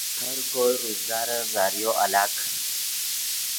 ہر کوئے روزگارن ذریعو الگ